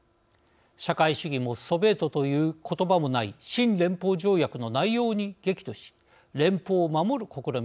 社会主義もソビエトという言葉もない新連邦条約の内容に激怒し連邦を守る試みでした。